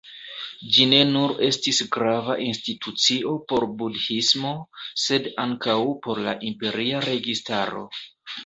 Ĝi ne nur estis grava institucio por budhismo, sed ankaŭ por la imperia registaro.